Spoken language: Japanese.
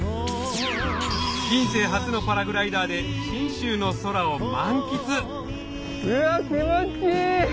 人生初のパラグライダーで信州の空を満喫うわ気持ちいい！